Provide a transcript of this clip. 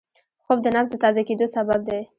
خوب د نفس د تازه کېدو سبب دی